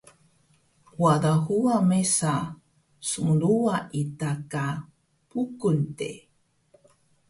Wada huwa mesa smruwa ita ka Bukung de